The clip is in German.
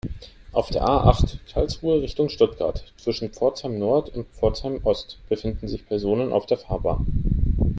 Auf der A-acht, Karlsruhe Richtung Stuttgart, zwischen Pforzheim-Nord und Pforzheim-Ost befinden sich Personen auf der Fahrbahn.